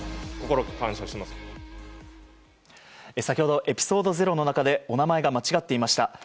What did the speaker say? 先ほどｅｐｉｓｏｄｅ０の中でお名前が間違っていました。